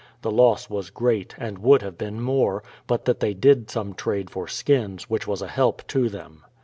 The loss was great, and would have been more, but that they did some trade for skins, which was a help to them.